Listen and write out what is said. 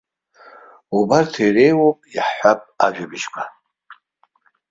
Убарҭ иреиуоуп, иаҳҳәап, иажәабжьқәа.